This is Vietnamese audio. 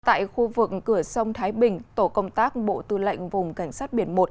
tại khu vực cửa sông thái bình tổ công tác bộ tư lệnh vùng cảnh sát biển một